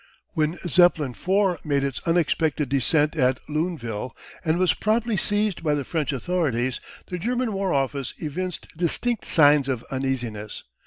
When Zeppelin IV made its unexpected descent at Luneville, and was promptly seized by the French authorities, the German War office evinced distinct signs of uneasiness.